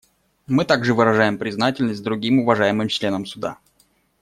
Мы также выражаем признательность другим уважаемым членам Суда.